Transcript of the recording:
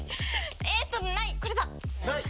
えっとない。